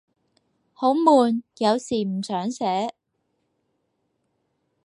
好悶，有時唔想寫